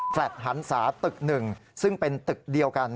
หันศาตึก๑ซึ่งเป็นตึกเดียวกัน